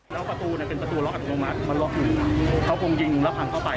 แล้วประตูน่ะเป็นประตูล๊อคอธิบายมันล๊อคอื่นเขากงยิงแล้วพังเข้าไป